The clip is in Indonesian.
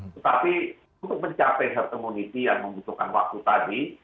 tetapi untuk mencapai herd immunity yang membutuhkan waktu tadi